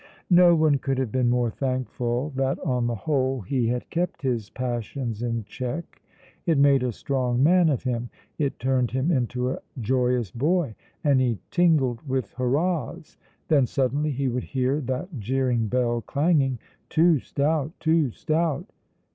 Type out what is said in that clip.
No one could have been more thankful that on the whole he had kept his passions in check. It made a strong man of him. It turned him into a joyous boy, and he tingled with hurrahs. Then suddenly he would hear that jeering bell clanging, "Too stout, too stout."